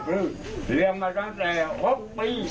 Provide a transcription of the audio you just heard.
เรียงมาตั้งแต่๖ปี